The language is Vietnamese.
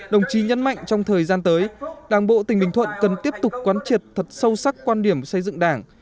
đồng chí nhấn mạnh trong thời gian tới đảng bộ tỉnh bình thuận cần tiếp tục quán triệt thật sâu sắc quan điểm xây dựng đảng